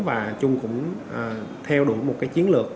và chung cũng theo đuổi một cái chiến lược